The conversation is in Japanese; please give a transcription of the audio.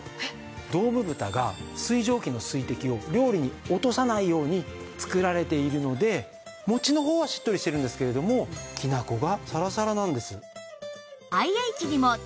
ドームぶたが水蒸気の水滴を料理に落とさないように作られているので餅の方はしっとりしてるんですけれどもきな粉がサラサラなんです。